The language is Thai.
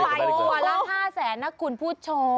โอ้โหละ๕แสนนะคุณผู้ชม